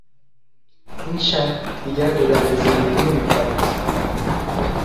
این شهر دیگر به درد زندگی نمیخورد.